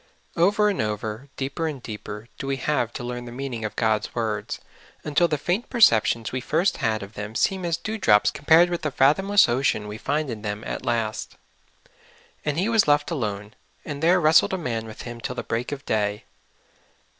OVER and over, deeper and deeper, do we have to learn the meaning of God's words, until the faint perceptions we first had of them seem as dew drops compared with the fathomless ocean we find in them at the last. " And he was left alone, and there wrestled a man with him till the break of day.